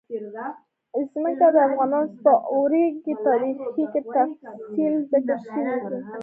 ځمکه د افغانستان په اوږده تاریخ کې په تفصیل ذکر شوی دی.